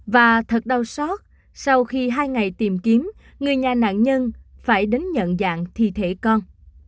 và thật đau xót sau khi hai ngày tìm kiếm người nhà nạn nhân phải đến nhận dạng thi thể con